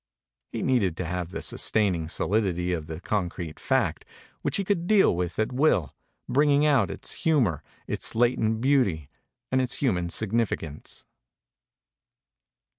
He needed to have the sustaining solidity of the concrete fact, which he could deal with at will, bringing out its humor, its latent beauty and its human significance.